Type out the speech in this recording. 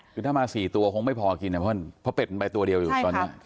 คือถ้ามาสี่ตัวคงไม่พอกินเพราะเป็นไปตัวเดียวอยู่ตอนนี้ใช่ค่ะ